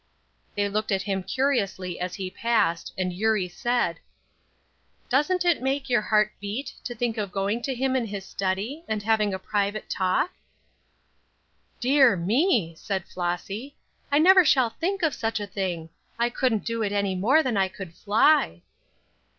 They looked at him curiously as he passed, and Eurie said: "Doesn't it make your heart beat to think of going to him in his study, and having a private talk?" "Dear me!" said Flossy, "I never shall think of such a thing. I couldn't do it any more than I could fly."